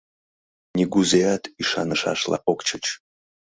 Нигузеат ӱшанышашла ок чуч!